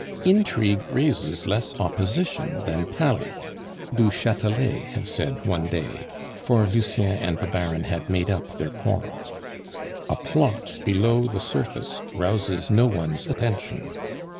"Intrigue raises less opposition than talent," du Chatelet had said one day (for Lucien and the Baron had made up their quarrel); "a plot below the surface rouses no one's attention.